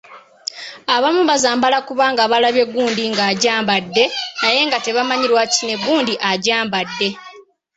Abamu bazambala kubanga balabye gundi ng’agyambadde naye nga tamanyi lwaki ne gundi agyambadde!